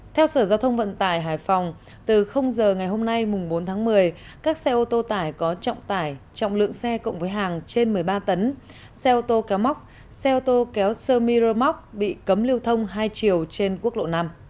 theo sở giao thông vận tải hải phòng từ giờ ngày hôm nay bốn tháng một mươi các xe ô tô tải có trọng tải trọng lượng xe cộng với hàng trên một mươi ba tấn xe ô tô kéo móc xe ô tô kéo sơ mi rơ móc bị cấm lưu thông hai chiều trên quốc lộ năm